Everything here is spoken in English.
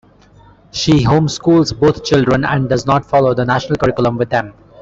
She home schools both children and does not follow the national curriculum with them.